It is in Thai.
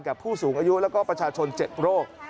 กับผู้สูงอายุแล้วก็ประชาชนเจ็บโรค